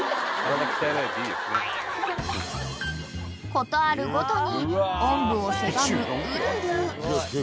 ［事あるごとにおんぶをせがむウルル］